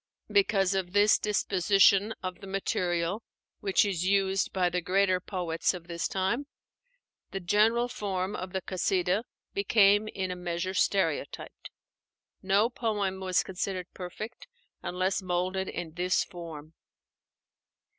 Because of this disposition of the material, which is used by the greater poets of this time, the general form of the Kasídah became in a measure stereotyped. No poem was considered perfect unless molded in this form.